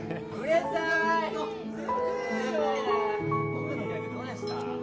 僕のギャグどうでした？